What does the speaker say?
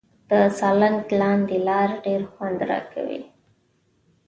د سالنګ لاندې لار ډېر خوند راکاوه.